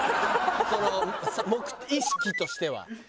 その意識としては。